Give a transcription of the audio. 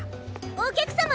お客様！